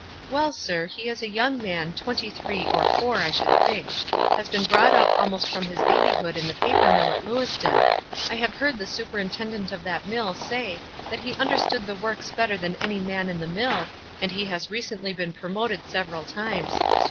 " Well, sir, he is a young man, twenty three WISE AND OTHERWISE. 73 or four, I should think ; has been brought up almost from his babyhood in tho paper mill at Lcwiston. I have heard the superintendent of that mill say that he understood the works bet ter than any man in the mill, and he has recent ly been promoted several times.